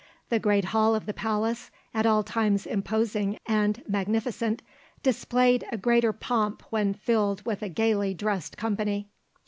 The great hall of the palace, at all times imposing and magnificent, displayed a greater pomp when filled with a gaily dressed company.